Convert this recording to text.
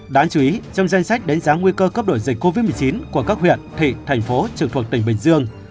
đáng chú ý trong danh sách đánh giá nguy cơ cấp đổi dịch covid một mươi chín của các huyện thị thành phố trực thuộc tỉnh bình dương